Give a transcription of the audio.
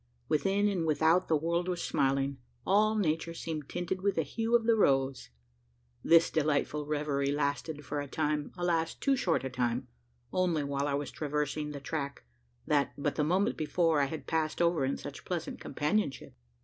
Within and without the world was smiling all nature seemed tinted with the hue of the rose! This delightful reverie lasted for a time alas! too short a time only while I was traversing the track, that, but the moment before, I had passed over in such pleasant companionship.